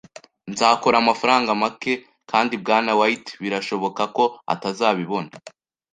Nzakora amafaranga make kandi Bwana White birashoboka ko atazabibona